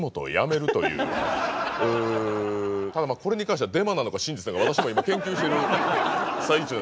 ただこれに関してはデマなのか真実なのか私も今研究してる最中なんです。